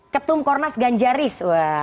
ketum kornas ganjaris